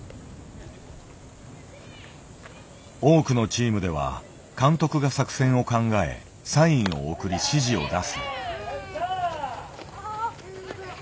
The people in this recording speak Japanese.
多くのチームでは監督が作戦を考えサインを送り指示を出す。